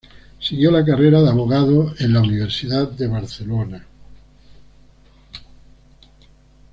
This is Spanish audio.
Siguió la carrera de abogado en la Universidad de Barcelona.